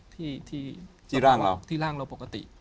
ที่ร่างเราปกติ